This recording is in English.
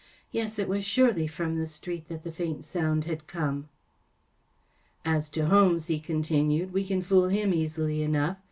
Yes, it was surely from the street that the faint sound had come. " As to Holmes,‚ÄĚ he continued, “ we can fool him easily enough.